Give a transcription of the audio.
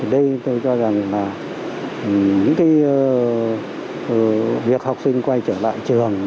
đây tôi cho rằng là những cái việc học sinh quay trở lại trường